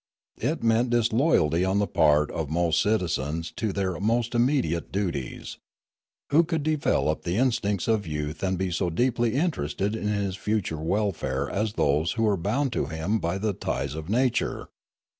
It meant disloyalty on the part of most citizens to their most immediate duties. Who could develop the in stincts of youth and be so deeply interested in his future welfare as those who were bound to him by the ties of nature